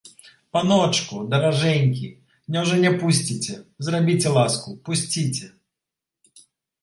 Паночку, даражэнькі, няўжо не пусціце, зрабіце ласку, пусціце!